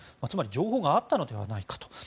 つまり情報があったのではないかと。